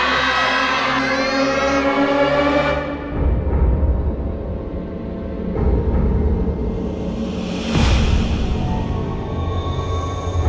โทษใจโทษใจโทษใจโทษใจโทษใจ